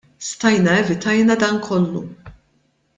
Stajna evitajna dan kollu.